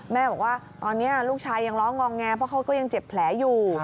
แม่บอกว่าตอนนี้ลูกชายยังร้องงองแงเพราะเขาก็ยังเจ็บแผลอยู่